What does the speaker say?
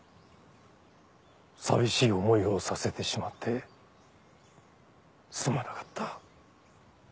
寂しい思いをさせてしまってすまなかった。